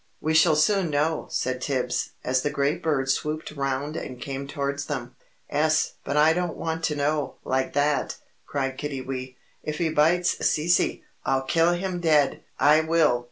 "We shall soon know," said Tibbs, as the great bird swooped round and came towards them. "'Es, but I don't want to know like that!" cried Kiddiwee. "If he bites Cece, I'll kill him dead! I will."